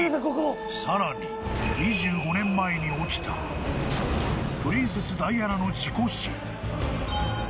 更に２５年前に起きたプリンセスダイアナの事故死。